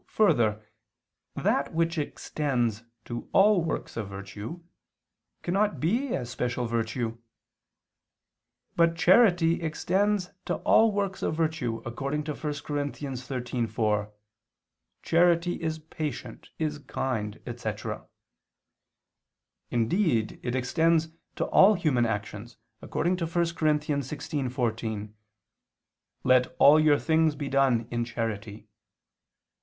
2: Further, that which extends to all works of virtue, cannot be a special virtue. But charity extends to all works of virtue, according to 1 Cor. 13:4: "Charity is patient, is kind," etc.; indeed it extends to all human actions, according to 1 Cor. 16:14: "Let all your things be done in charity."